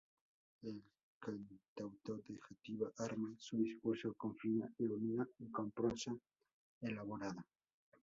El cantautor de Játiva arma su discurso con fina ironía y con prosa elaborada.